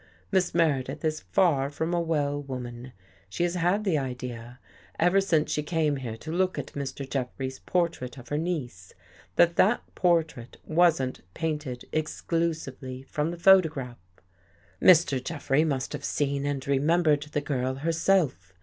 Miss Meredith is far from a well woman. She has had the idea, ever since she came here to look at Mr. Jeffrey's portrait of her niece, that that portrait wasn't painted exclusively from the photograph. Mr. Jeffrey must have seen and remembered the girl herself.